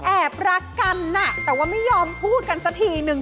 แอบรักกันแต่ว่าไม่ยอมพูดกันสักทีนึง